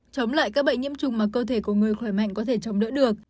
chống lại các bệnh nhiễm trùng mà cơ thể của người khỏe mạnh có thể chống đỡ được